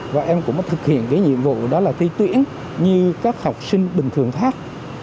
và em cũng mới thực hiện cái nhiệm vụ đó là thi tuyển như các học sinh bình thường khác